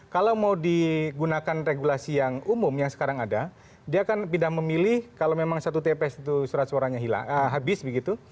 kalau mau digunakan regulasi yang umum yang sekarang ada dia akan pindah memilih kalau memang satu tps itu surat suaranya habis begitu